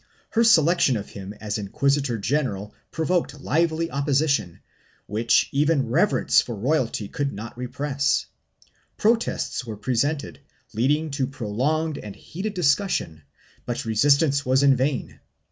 Her selection of him as inquisitor general provoked lively opposition, which even reverence for royalty could not repress; protests were presented, leading to prolonged and heated discussion, but resistance was in vain.